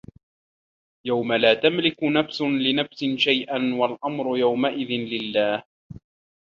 يَومَ لا تَملِكُ نَفسٌ لِنَفسٍ شَيئًا وَالأَمرُ يَومَئِذٍ لِلَّهِ